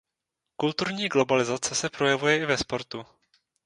Kulturní globalizace se projevuje i ve sportu.